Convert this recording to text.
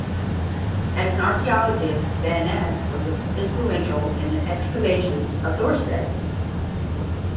As an archaeologist van Es was influential in the excavations of Dorestad.